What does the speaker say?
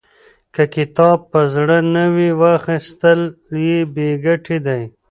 که کتاب په زړه نه وي، واخستل یې بې ګټې دی.